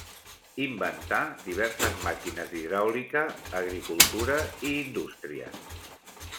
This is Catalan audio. Inventà diverses màquines d'hidràulica, agricultura i indústria.